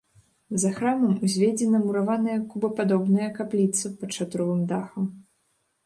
За храмам узведзена мураваная кубападобная капліца пад шатровым дахам.